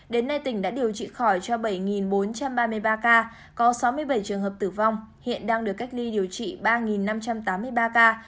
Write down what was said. đến nay tỉnh đã điều trị khỏi cho bảy bốn trăm ba mươi ba ca có sáu mươi bảy trường hợp tử vong hiện đang được cách ly điều trị ba năm trăm tám mươi ba ca